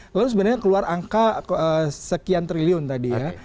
lalu sebenarnya keluar angka sekian triliun tadi ya